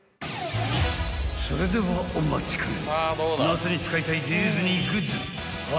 ［それではお待ちかね］